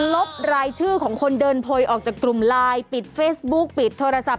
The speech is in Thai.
บรายชื่อของคนเดินโพยออกจากกลุ่มไลน์ปิดเฟซบุ๊กปิดโทรศัพท์